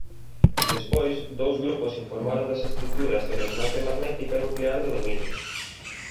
Despois dous grupos informaron das estruturas de resonancia magnética nuclear do dominio.